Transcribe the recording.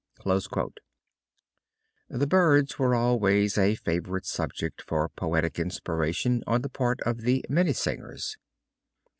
The birds were always a favorite subject for poetic inspiration on the part of the Minnesingers.